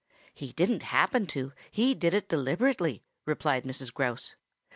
"He didn't happen to; he did it deliberately," replied Mrs. Grouse.